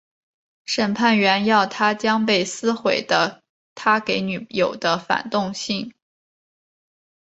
审判员要他将被撕毁的他给女友的反动长信重写出来。